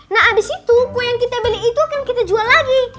nah abis itu kue yang kita beli itu akan kita jual lagi